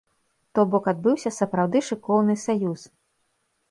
То бок адбыўся сапраўды шыкоўны саюз.